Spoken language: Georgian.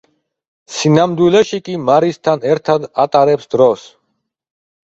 სინამდვილეში კი მარისთან ერთად ატარებს დროს.